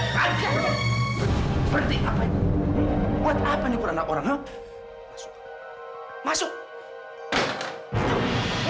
kau begitu sempurna di mata aku